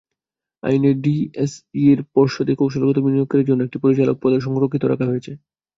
আইনে ডিএসইর পর্ষদে কৌশলগত বিনিয়োগকারীর জন্য একটি পরিচালক পদও সংরক্ষিত রাখা হয়েছে।